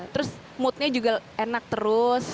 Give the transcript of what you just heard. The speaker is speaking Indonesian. terus moodnya juga enak terus